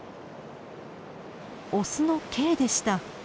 オスのＫでした。